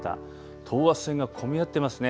等圧線が混み合ってますね。